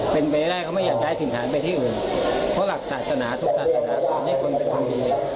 เป็นไปได้เขาไม่อยากได้ถิ่นฐานไปที่อื่นเพราะหลักศาสนาทุกศาสนาตอนนี้คนเป็นความดี